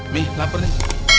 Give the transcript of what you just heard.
mi lapar nih